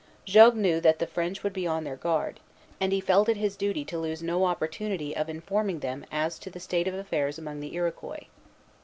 Jogues knew that the French would be on their guard; and he felt it his duty to lose no opportunity of informing them as to the state of affairs among the Iroquois.